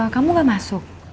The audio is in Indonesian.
kamu gak masuk